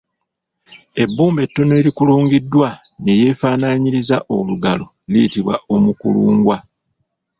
Ebbumba ettono erikulungiddwa ne lyefaanaanyiriza olugalo liyitibwa omukulungwa.